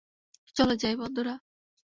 চলো যাই, বন্ধুরা।